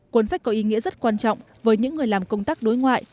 cuốn sách có ý nghĩa rất quan trọng với những người làm công tác đối ngoại